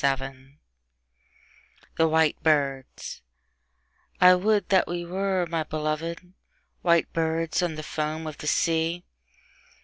Yeats THE WHITE BIRDS by: W.B. Yeats WOULD that we were, my beloved, white birds on the foam of the sea!